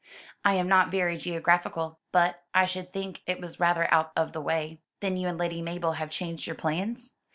"I am not very geographical. But I should think it was rather out of the way." "Then you and Lady Mabel have changed your plans?"